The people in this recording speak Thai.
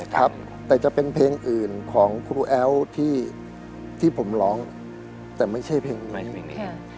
ครับแต่จะเป็นเพลงอื่นของครูแอ้วที่ผมร้องแต่ไม่ใช่เพลงในเพลงนี้